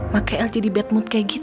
makanya el jadi bad mood kayak gitu